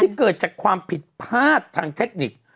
เกิดจากความผิดพลาดทางเทคนิค